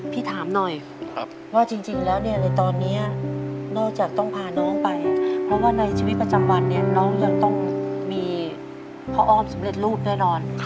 พี่ถามหน่อยว่าจริงแล้วเนี่ยในตอนนี้นอกจากต้องพาน้องไปเพราะว่าในชีวิตประจำวันเนี่ยน้องยังต้องมีพ่ออ้อมสำเร็จรูปแน่นอน